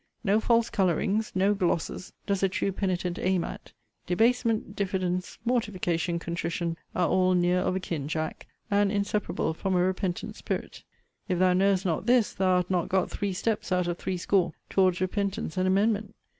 No false colourings, no glosses, does a true penitent aim at. Debasement, diffidence, mortification, contrition, are all near of a kin, Jack, and inseparable from a repentant spirit. If thou knowest not this, thou art not got three steps (out of threescore) towards repentance and amendment.